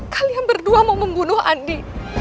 kalian berdua mau membunuh andi